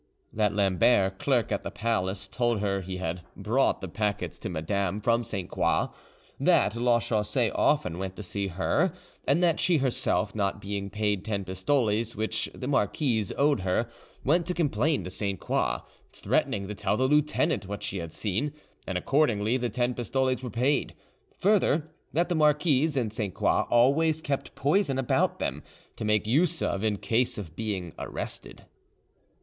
That Lambert, clerk at the palace, told her he had brought the packets to Madame from Sainte Croix; that Lachaussee often went to see her; and that she herself, not being paid ten pistoles which the marquise owed her, went to complain to Sainte Croix, threatening to tell the lieutenant what she had seen; and accordingly the ten pistoles were paid; further, that the marquise and Sainte Croix always kept poison about them, to make use of, in case of being arrested.